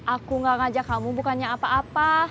aku gak ngajak kamu bukannya apa apa